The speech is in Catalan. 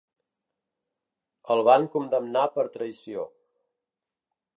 El van condemnar per traïció.